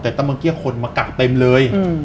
เหนื่อยตะมะเกี้ยคนมากักเต็มเลย